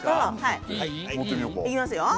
いきますよ。